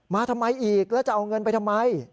มาทำไมอีกแล้วจะเอาเงินไปทำไม